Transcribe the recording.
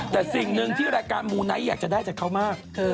แต่สิ่งหนึ่งที่รายการมูไนท์อยากจะได้จากเขามาก